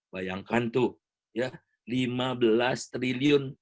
bayangkan tuh ya lima belas triliun